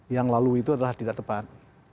yang lalu itu adalah tidak tepat